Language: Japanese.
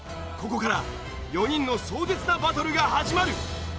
ここから４人の壮絶なバトルが始まる。